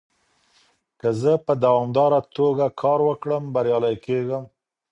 که زه په دوامداره توګه کار وکړم، بريالی کېږم.